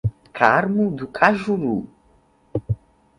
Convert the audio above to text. Carmo do Cajuru